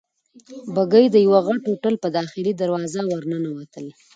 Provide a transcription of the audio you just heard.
بګۍ د یوه غټ هوټل په داخلي دروازه ورننوتل.